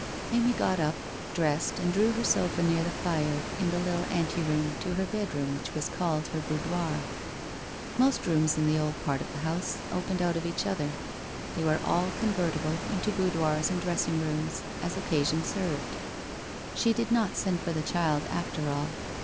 Amy got up, dressed and drew her sofa near the fire, in the little ante room to her bedroom which was called her boudoir. Most rooms in the old part of the house opened out of each other; they were all convertible into boudoirs and dressing rooms, as occasion served. She did not send for the child after all.